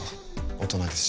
大人ですし